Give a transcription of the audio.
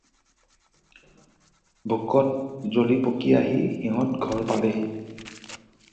ভোকত জ্বলি পকি আহি সিহঁত ঘৰ পালেহি।